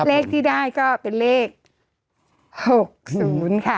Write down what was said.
เลขที่ได้ก็เป็นเลข๖๐ค่ะ